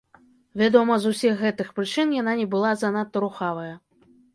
Вядома, з усіх гэтых прычын яна не была занадта рухавая.